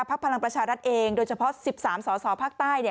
ภรรณประชารัฐเองโดยเฉพาะ๑๓สศภักดิ์ใต้